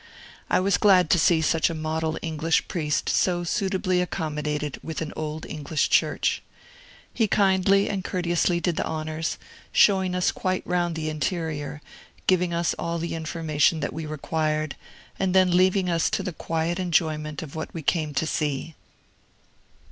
I was glad to see such a model English priest so suitably accommodated with an old English church. He kindly and courteously did the honors, showing us quite round the interior, giving us all the information that we required, and then leaving us to the quiet enjoyment of what we came to see.